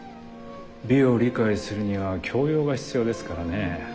美を理解するには教養が必要ですからね。